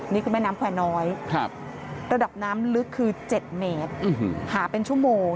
นี่คือแม่น้ำแควร์น้อยระดับน้ำลึกคือ๗เมตรหาเป็นชั่วโมง